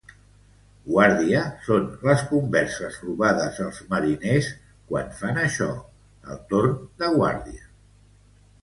Guàrdia són les converses robades als mariners quan fan això, el torn de guàrdia.